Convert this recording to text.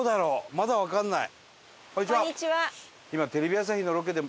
まだわかんない。